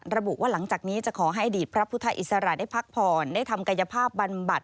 ระบุว่าหลังจากนี้จะขอให้อดีตพระพุทธอิสระได้พักผ่อนได้ทำกายภาพบำบัด